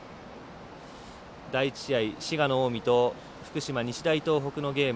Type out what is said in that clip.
第１試合、滋賀の近江と福島、日大東北のゲーム